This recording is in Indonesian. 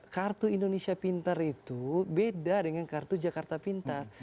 kartu indonesia pintar itu beda dengan kartu jakarta pintar